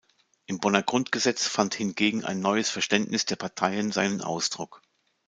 Im Bonner Grundgesetz fand hingegen ein neues Verständnis der Parteien seinen Ausdruck.